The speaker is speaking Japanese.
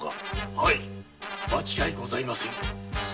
はい間違いございません。